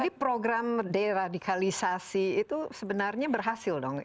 jadi program deradikalisasi itu sebenarnya berhasil dong